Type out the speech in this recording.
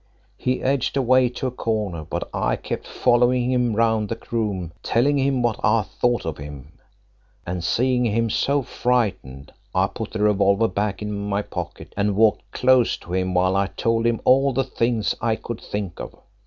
He edged away to a corner, but I kept following him round the room telling him what I thought of him. And seeing him so frightened, I put the revolver back in my pocket and walked close to him while I told him all the things I could think of.